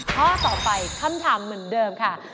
ข้อต่อไปคำถามเหมือนเดิมค่ะ